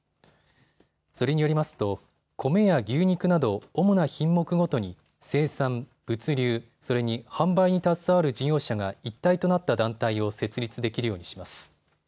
それによりますとコメや牛肉など主な品目ごとに生産、物流、それに販売に携わる事業者が一体となった団体を設立できるようにします。